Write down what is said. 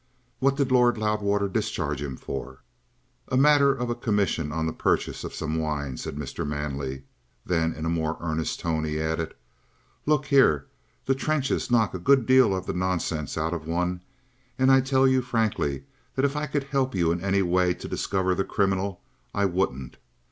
"What did Lord Loudwater discharge him for?" "A matter of a commission on the purchase of some wine," said Mr. Manley. Then in a more earnest tone he added: "Look here: the trenches knock a good deal of the nonsense out of one, and I tell you frankly that if I could help you in any way to discover the criminal, I wouldn't.